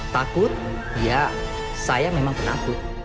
takut ya saya memang penakut